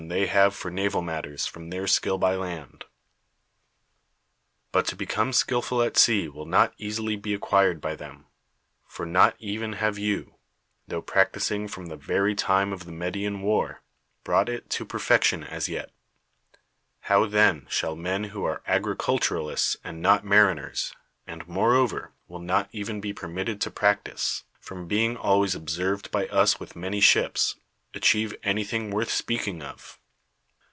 ^y have for naval matters from their skill by land. But to become skilful at sea wi!' not easily be acquired by them. For not even liave you, tho practising from the very time of the iNIedian War, brought it to perfection as yet; how then shall men who are agricnlturists and not mariners, and, moreover, will not even be permitted to practise, from being always observed by us with many ships, achieve any thing worth speaking of?